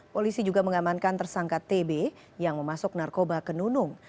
polisi juga mengamankan tersangka tb yang memasuk narkoba ke nunung